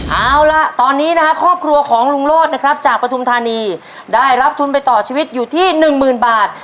เอาล่ะตอนนี้นะครับครอบครัวของลุงโลศนะครับจากปฐุมธานีได้รับทุนไปต่อชีวิตอยู่ที่หนึ่งหมื่นบาท